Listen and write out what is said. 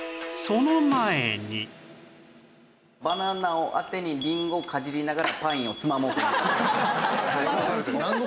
バナナをあてにりんごをかじりながらパインをつまもうかな。